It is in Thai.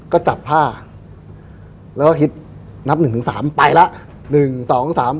ก็จับผ้าแล้วก็คิดนับหนึ่งถึงสามไปล่ะหนึ่งสองสาม